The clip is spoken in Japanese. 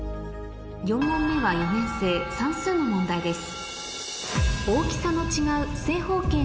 ４問目は４年生算数の問題です